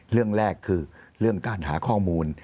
เรื่องแรกคือเรื่องการหาข้อมูล